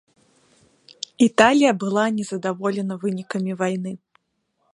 Італія была не здаволена вынікамі вайны.